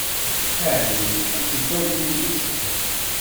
Ɛni ad tedduḍ yid-s?